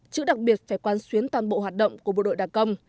chữ đặc biệt phải quan xuyến toàn bộ hoạt động của bộ đội đặc công